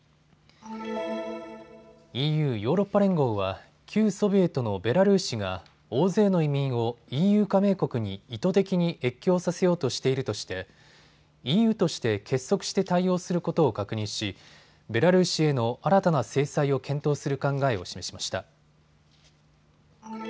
ＥＵ・ヨーロッパ連合は旧ソビエトのベラルーシが大勢の移民をＥＵ加盟国に意図的に越境させようとしているとしてＥＵとして結束して対応することを確認しベラルーシへの新たな制裁を検討する考えを示しました。